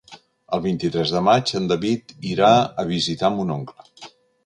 El vint-i-tres de maig en David irà a visitar mon oncle.